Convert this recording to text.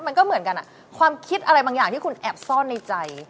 มันก็เหมือนกันความคิดอะไรบางอย่างที่คุณแอบซ่อนในใจ